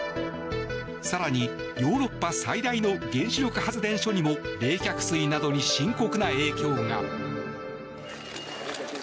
更に、ヨーロッパ最大の原子力発電所にも冷却水などに深刻な影響が。